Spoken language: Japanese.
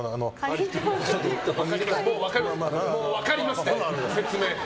もう分かります、説明。